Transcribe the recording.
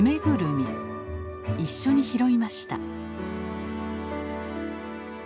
一緒に拾いました。